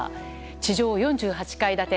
地上４８階建て。